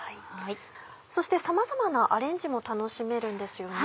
そしてさまざまなアレンジも楽しめるんですよね。